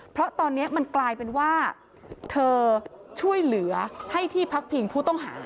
เพราะตอนนี้มันกลายเป็นว่าเธอช่วยเหลือให้ที่พักพิงผู้ต้องหา